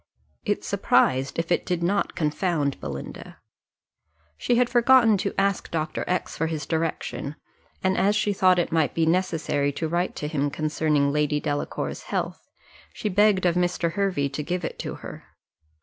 It surprised, if it did not confound, Belinda. She had forgotten to ask Dr. X for his direction; and as she thought it might be necessary to write to him concerning Lady Delacour's health, she begged of Mr. Hervey to give it to her.